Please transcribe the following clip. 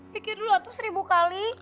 pikir dulu waktu seribu kali